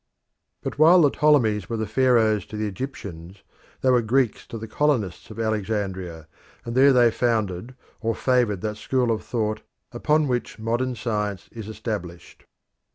But while the Ptolemies were Pharaohs to the Egyptians, they were Greeks to the colonists of Alexandria, and they founded or favoured that school of thought upon which modern science is established.